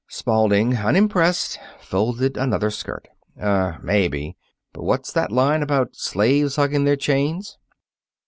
Spalding, unimpressed, folded another skirt. "Um, maybe! But what's that line about slaves hugging their chains?"